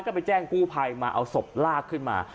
ก็ไปแจ้งกู้ภัยมาเอาศพลากขึ้นมา